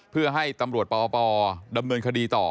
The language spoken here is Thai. เพื่อให้ตำรวจปอปดำเนินคดีต่อ